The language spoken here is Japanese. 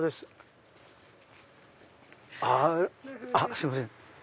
すいません。